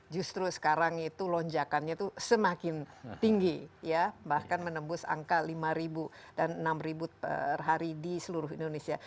justru sekarang itu lonjakannya itu semakin tinggi bahkan menembus angka lima ribu dan enam per hari di seluruh indonesia